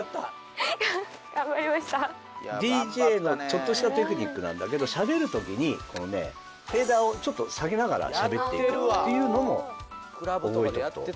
ＤＪのちょっとしたテクニックなんだけどしゃべるときにフェーダーをちょっと下げながらしゃべっていくっていうのも覚えとくと。